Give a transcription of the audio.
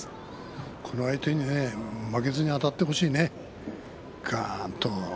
この相手に負けずにあたってほしいね、がーんと。